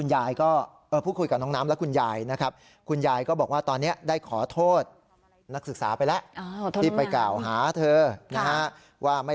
ว่าไม่หรับไม่เรียนอะไรอย่างนี้